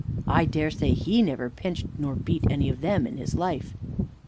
I dare say he never pinched nor beat any of them in his life."